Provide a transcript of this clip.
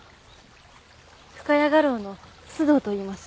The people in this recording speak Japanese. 深谷画廊の須藤といいます。